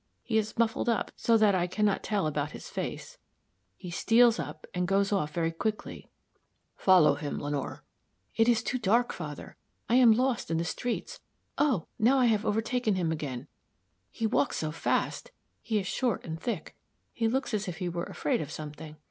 He is muffled up so that I can not tell about his face; he steals up and goes off again very quickly." "Follow him, Lenore." "It is too dark, father. I am lost in the streets. Oh! now I have overtaken him again; he walks so fast he is short and thick he looks as if he were afraid of something.